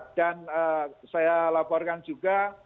dan saya laporkan juga